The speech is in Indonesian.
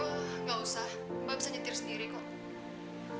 oh nggak usah mbak bisa nyetir sendiri kok